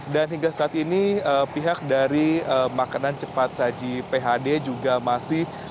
dan hingga saat ini pihak dari makanan cepat saji phd juga masih